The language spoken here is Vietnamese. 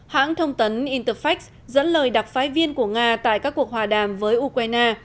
hãng thông tấn interfax dẫn lời đặc phái viên của nga tại các cuộc hòa đàm với ukraine